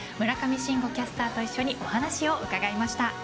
村上信五キャスターと一緒にお話を伺いました。